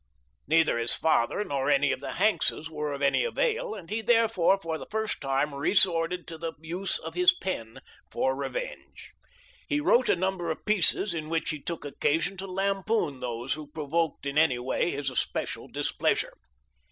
Neither his father nor any of the Hankses were of any avail, and he therefore for the first time resorted to the use of his pen for re venge. He wrote a number of pieces in which he took occasion to lampoon those who provoked in any. way his especial displeasure.